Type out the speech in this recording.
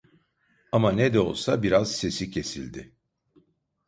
Ama ne de olsa biraz sesi kesildi.